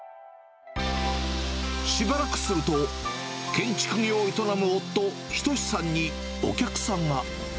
しばらくすると、建築業を営む夫、中さんにお客さんが。